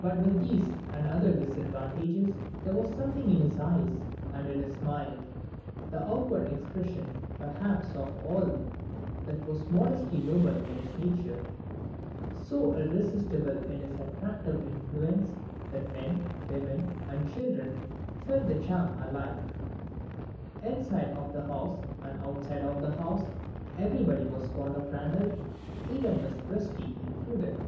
But with these, and other disadvantages, there was something in his eyes, and in his smile the outward expression perhaps of all that was modestly noble in his nature so irresistible in its attractive influence that men, women, and children felt the charm alike. Inside of the house, and outside of the house, everybody was fond of Randal; even Mrs. Presty included.